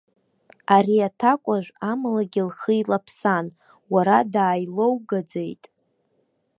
Ари аҭакәажә амалагьы лхы еилаԥсан, уара дааилоугаӡеит.